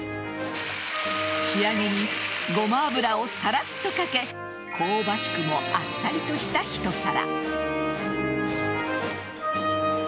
仕上げにごま油をさらっとかけ香ばしくもあっさりとした一皿。